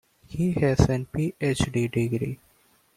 He has a PhD degree.